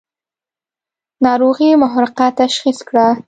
ناروغي محرقه تشخیص کړه.